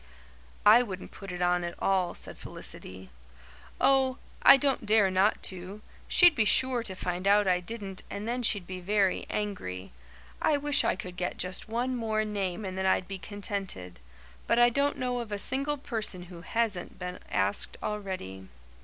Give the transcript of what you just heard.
"I wouldn't put it on at all," said Felicity. "Oh, I don't dare not to. She'd be sure to find out I didn't and then she'd be very angry. I wish I could get just one more name and then I'd be contented. But I don't know of a single person who hasn't been asked already."